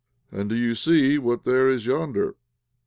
"And do you see what there is yonder?"